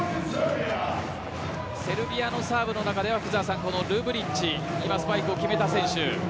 セルビアのサーブの中ではこのルブリッチ今、スパイクを決めた選手。